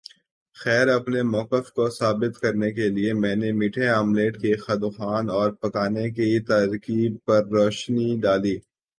خیر اپنے موقف کو ثابت کرنے کے لئے میں نے میٹھے آملیٹ کے خدوخال اور پکانے کی ترکیب پر روشنی ڈالی